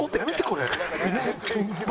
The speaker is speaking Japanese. これ！